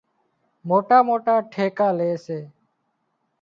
موٽا موٽا ٺيڪا لي سي